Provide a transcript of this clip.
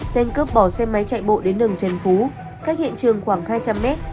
tên cướp bỏ xe máy chạy bộ đến đường trần phú cách hiện trường khoảng hai trăm linh mét